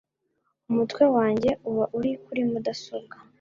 umutwe wanjye uba uri kuri mudasobwa